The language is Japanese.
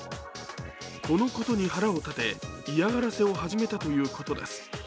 このことに腹を立て嫌がらせを始めたということです。